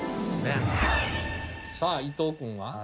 さあ伊藤くんは？